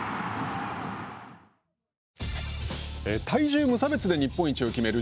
体重無差別で日本一を決める